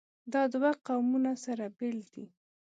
دا دوه قومونه سره بېل دي.